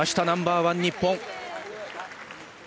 ナンバーワン、日本！